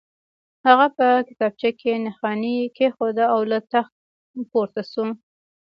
هغه په کتابچه کې نښاني کېښوده او له تخت پورته شو